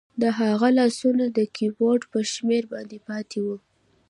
د هغه لاسونه د کیبورډ په شمیرو باندې پاتې وو